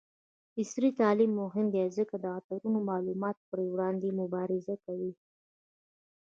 عصري تعلیم مهم دی ځکه چې د غلطو معلوماتو پر وړاندې مبارزه کوي.